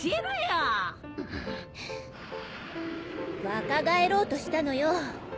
若返ろうとしたのよ